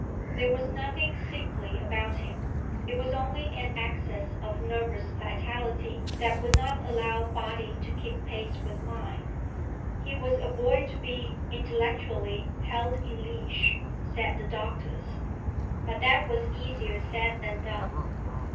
There was nothing sickly about him; it was only an excess of nervous vitality that would not allow body to keep pace with mind. He was a boy to be, intellectually, held in leash, said the doctors. But that was easier said than done.